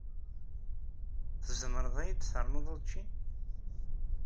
Tzemreḍ ad iyi-d-ternuḍ učči?